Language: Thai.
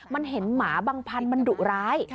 มันเห็นหมาบางพันธุ์มันดุร้าย